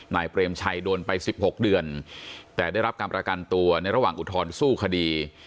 ไหนเตรียมชัยโดนไปสิบหกเดือนแต่ได้รับกำลักษณ์ตัวในระหว่างอุทธรณสู้คดี